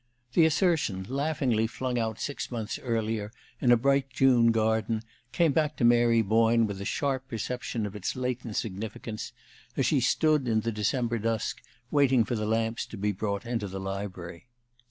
The assertion, laughingly flung out six months earlier in a bright June garden, came back to Mary Boyne with a sharp perception of its latent significance as she stood, in the December dusk, waiting for the lamps to be brought into the library.